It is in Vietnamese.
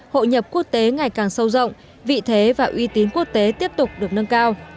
hội nhập quốc tế ngày càng sâu rộng vị thế và uy tín quốc tế tiếp tục được nâng cao